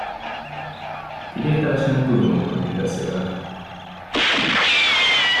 Kivételesen tudom, hogy mit beszélek.